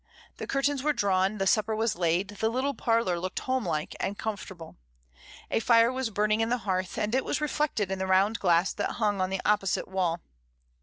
The curtains were drawn, the supper was laid, the little parlour looked home like and comfortable; a fire was burning in the hearth, and it was reflected in the round glass that hung on the opposite wall.